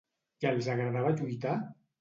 I els agradava lluitar?